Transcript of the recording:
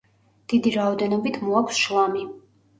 დიდი რაოდენობით მოაქვს შლამი.